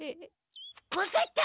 分かった！